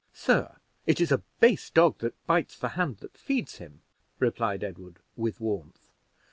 "Sir, it is a base dog that bites the hand that feeds him," replied Edward, with warmth.